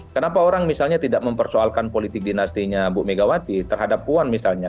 kenapa orang misalnya tidak mempersoalkan politik dinastinya bu megawati terhadap puan misalnya